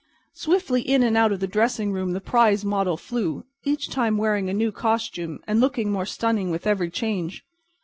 Swiftly in and out of the dressing room the prize model flew, each time wearing a new costume and looking more stunning with every change.